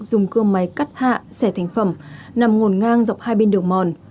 dùng cưa máy cắt hạ xẻ thành phẩm nằm ngồn ngang dọc hai bên đường mòn